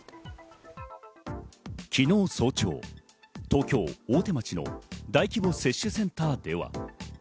昨日早朝、東京・大手町の大規模接種センターでは。